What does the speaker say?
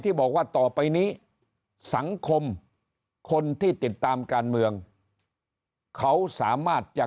ที่บอกว่าต่อไปนี้สังคมคนที่ติดตามการเมืองเขาสามารถจะ